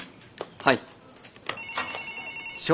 はい。